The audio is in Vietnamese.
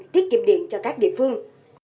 thiết kiệm điện cho các địa phương